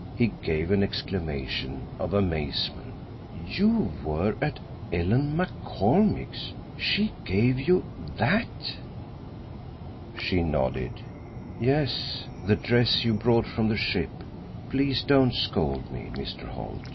He gave an exclamation of amazement. "You were at Ellen McCormick's! She gave you—that!" She nodded. "Yes, the dress you brought from the ship. Please don't scold me, Mr. Holt.